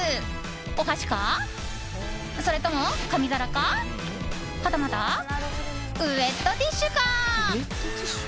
お箸かそれとも紙皿かはたまたウェットティッシュか。